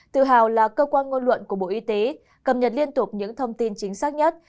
tự hào là cơ quan ngôn luận của bộ y tế cập nhật liên tục những thông tin chính xác nhất